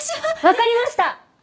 わかりました！